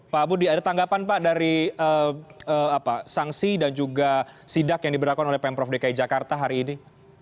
pak budi ada tanggapan pak dari sanksi dan juga sidak yang diberlakukan oleh pemprov dki jakarta hari ini